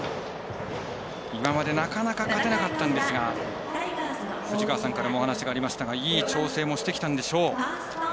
今までなかなか勝てなかったんですが藤川さんからもお話がありましたがいい調整もしてきたんでしょう。